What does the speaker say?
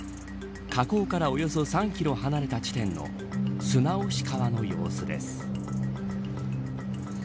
河口からおよそ３キロ離れた地点の砂押川の様子です。